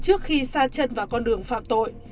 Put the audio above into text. trước khi xa chân vào con đường phạm tội